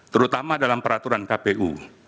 terutama dalam peraturan kpu